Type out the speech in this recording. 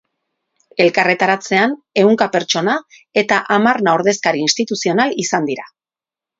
Elkarretaratzean ehunka pertsona eta hamarna ordezkari instituzional izan dira.